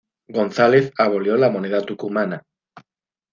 González abolió la moneda tucumana.